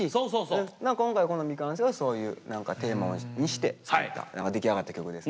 今回この「未完成」はそういうテーマにして作った出来上がった曲です。